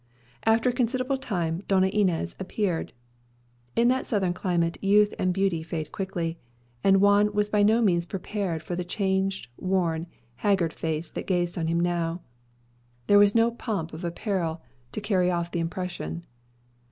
After a considerable time Doña Inez appeared. In that southern climate youth and beauty fade quickly; and yet Juan was by no means prepared for the changed, worn, haggard face that gazed on him now. There was no pomp of apparel to carry off the impression.